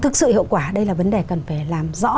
thực sự hiệu quả đây là vấn đề cần phải làm rõ